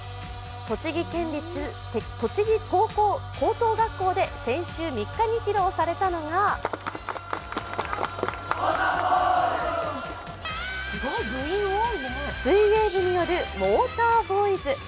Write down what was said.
栃木県立栃木高等学校で先週３日に披露されたのが水泳部によるウォーターボーイズ。